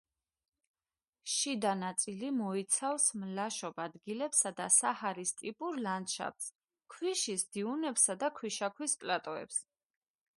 შიდა ნაწილი მოიცავს მლაშობ ადგილებსა და საჰარის ტიპურ ლანდშაფტს, ქვიშის დიუნებსა და ქვიშაქვის პლატოებს.